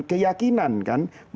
keyakinan masjid indonesia